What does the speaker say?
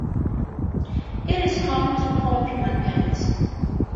It is home to Pompey Market.